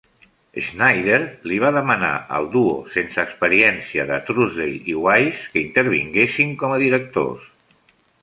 Schneider li va demanar al duo sense experiència de Trousdale i Wise que intervinguessin com a directors.